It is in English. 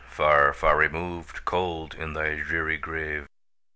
Far, far removed, cold in the dreary grave!